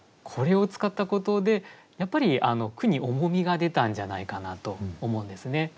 これを使ったことでやっぱり句に重みが出たんじゃないかなと思うんですね。